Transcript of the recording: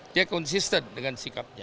dia konsisten dengan sikapnya